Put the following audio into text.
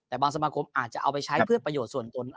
แต่บางสมาคมอาจจะเอาไปใช้เพื่อประโยชน์ส่วนตน